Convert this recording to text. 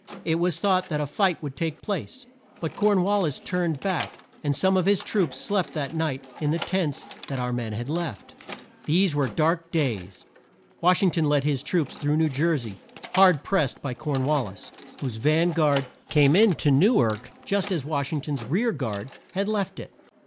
It was thought that a fight would take place, but Corn wal lis turned back and some of his troops slept that night in the tents that our men had left. These were dark days. Wash ing ton led his troops through New Jer sey, hard pressed by Corn wal lis, whose van guard came in to New ark just as Wash ing ton's rear guard had left it.